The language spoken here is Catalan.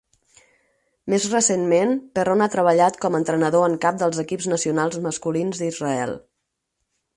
Més recentment, Perron ha treballat com a entrenador en cap dels equips nacionals masculins d'Israel.